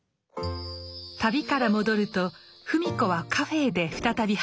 旅から戻ると芙美子はカフェーで再び働きます。